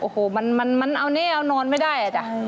โอ้โหมันเอาแน่เอานอนไม่ได้อ่ะจ้ะ